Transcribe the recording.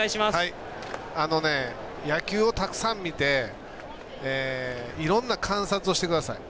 野球をたくさん見ていろんな観察をしてください。